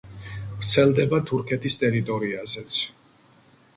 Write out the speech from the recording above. ვრცელდება თურქეთის ტერიტორიაზეც.